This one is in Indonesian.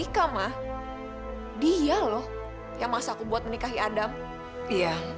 si adam disuruh nikah lagi